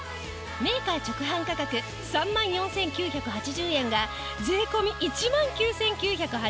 メーカー直販価格３万４９８０円が税込１万９９８０円。